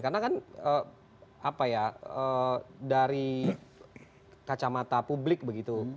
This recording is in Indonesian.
karena kan apa ya dari kacamata publik begitu